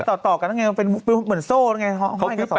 ต่อกันต้องยังไงเป็นเหมือนโซ่ต้องยังไง